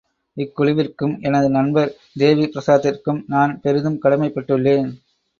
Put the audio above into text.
இக்குழுவிற்கும், எனது நண்பர் தேவி பிரஸாத்திற்கும் நான் பெரிதும் கடமைப் பட்டுள்ளேன்.